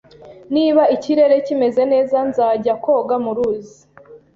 Niba ikirere kimeze neza, nzajya koga muruzi